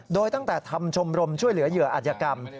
โดยตั้งแต่ทำชมรมช่วยเหลือเหยื่ออัธยกรรม